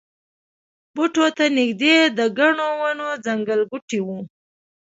بوټو ته نږدې د ګڼو ونو ځنګلګوټی و.